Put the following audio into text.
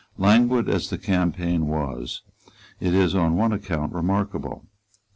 Languid as the campaign was, it is on one account remarkable.